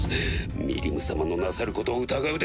ミリム様のなさることを疑うでないわ。